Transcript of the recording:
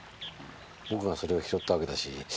僕がそれを拾ったわけだし。